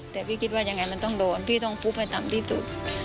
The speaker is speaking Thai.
แต่พี่คิดว่ายังไงมันต้องโดนพี่ต้องฟุบให้ต่ำที่สุด